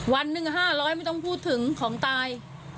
วันหนึ่ง๕๐๐ไม่ต้องพูดถึงของตาย